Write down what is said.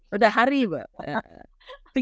sudah hari ya bu